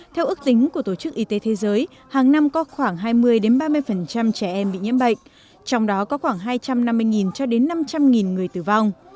theo ước tính của tổ chức y tế thế giới hàng năm có khoảng hai mươi ba mươi trẻ em bị nhiễm bệnh trong đó có khoảng hai trăm năm mươi cho đến năm trăm linh người tử vong